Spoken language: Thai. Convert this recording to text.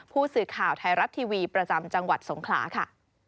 ผู้สื่อข่าวไทยรัฐทีวีประจำจังหวัดสงขลาค่ะ